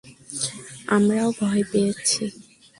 আমরাও ভয় পেয়েছি!